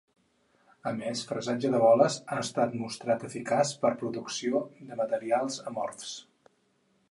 A més, fresatge de boles ha estat mostrat eficaç per producció de materials amorfs.